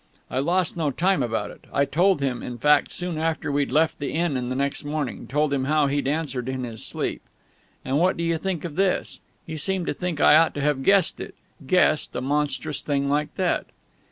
I lost no time about it. I told him, in fact, soon after we'd left the inn the next morning told him how he'd answered in his sleep. And what do you think of this? he seemed to think I ought to have guessed it! Guessed a monstrous thing like that!